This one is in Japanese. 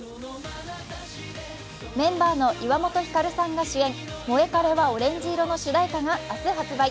メンバーの岩本照さんが主演、「モエカレはオレンジ色」の主題歌が明日、発売。